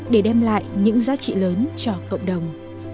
để đem lại những giá trị lớn cho cộng đồng